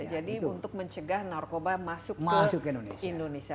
jadi untuk mencegah narkoba masuk ke indonesia